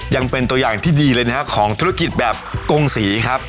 ยังเป็นตัวอย่างที่ดีเลยนะครับของธุรกิจแบบกงศรีครับ